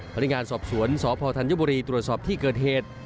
พนักงานสอบสวนสพธัญบุรีตรวจสอบที่เกิดเหตุ